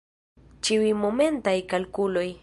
Ĉiuj momentaj kalkuloj.